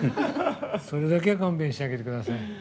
それだけは勘弁してあげてください。